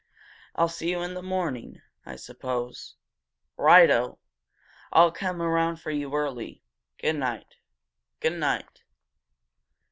I'll see you in the morning, I suppose?" "Right oh! I'll come around for you early. Goodnight!" "Goodnight!"